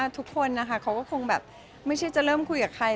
ทุกคนก็คงไม่ใช่จะเริ่มคุยกับใคร